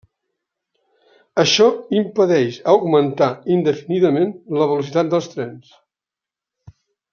Això impedeix augmentar indefinidament la velocitat dels trens.